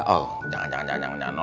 oh jangan jangan jangan